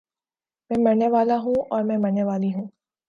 میں مرنے والا ہوں اور میں مرنے والی ہوں